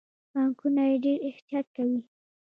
بانکونه یې ډیر احتیاط کوي.